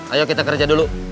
ayo kita kerja dulu